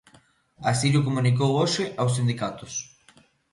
Así llo comunicou hoxe aos sindicatos.